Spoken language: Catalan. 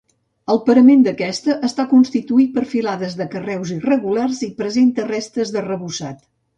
El parament d'aquesta està constituït per filades de carreus irregulars i presenta restes d'arrebossat.